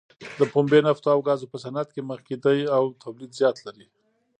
د پنبې، نفتو او ګازو په صنعت کې مخکې دی او تولید زیات لري.